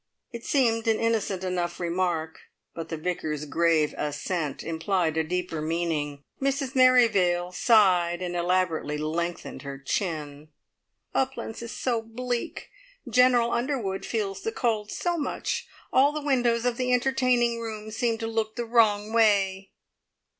It seemed an innocent enough remark, but the Vicar's grave assent implied a deeper meaning. Mrs Merrivale sighed, and elaborately lengthened her chin. "Uplands is so bleak. General Underwood feels the cold so much. All the windows of the entertaining rooms seem to look the wrong way."